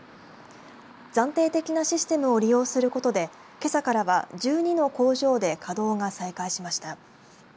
暫定的なシステムを利用することでけさからは１２の工場で稼働が再開しました。